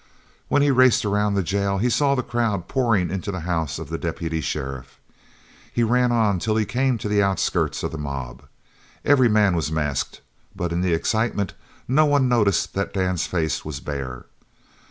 When he raced around the jail he saw the crowd pouring into the house of the deputy sheriff. He ran on till he came to the outskirts of the mob. Every man was masked, but in the excitement no one noticed that Dan's face was bare.